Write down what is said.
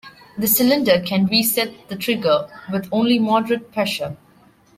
The cylinder can reset the trigger with only moderate pressure.